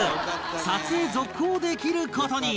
撮影続行できる事に